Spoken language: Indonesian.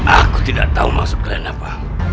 aku tidak tahu maksud kalian apa